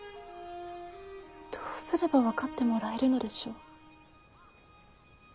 どうすれば分かってもらえるのでしょう。